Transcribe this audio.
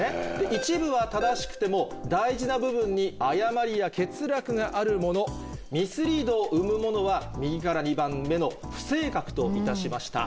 一部は正しくても大事な部分に誤りや欠落があるものミスリードを生むものは右から２番目の「不正確」といたしました。